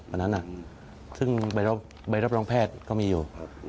อันนั้นซึ่งใบรับรองแพทย์ก็มีอยู่